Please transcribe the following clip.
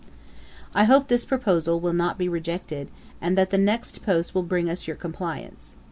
'I hope this proposal will not be rejected, and that the next post will bring us your compliance.